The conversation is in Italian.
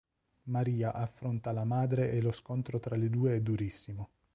Maria affronta la madre e lo scontro tra le due è durissimo.